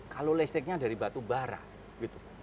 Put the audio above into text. kalau listriknya dari batu bara gitu